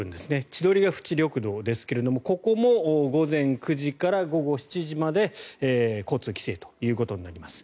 千鳥ヶ淵緑道ですがここも午前９時から午後７時まで交通規制ということになります。